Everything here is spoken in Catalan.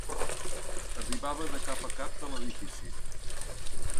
Arribava de cap a cap del edifici.